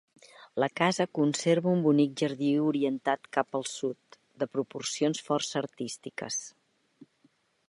La casa conserva un bonic jardí orientat cap al sud, de proporcions força artístiques.